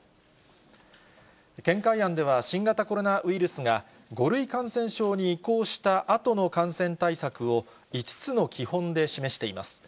見解案では、新型コロナウイルスが、５類感染症に移行したあとの感染対策を、５つの基本で示しています。